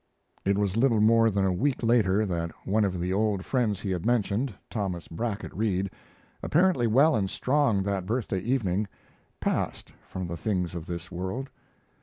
It was little more than a week later that one of the old friends he had mentioned, Thomas Brackett Reed, apparently well and strong that birthday evening, passed from the things of this world.